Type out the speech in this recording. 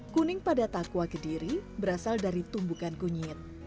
kuning pada takwa kediri berasal dari tumbukan kunyit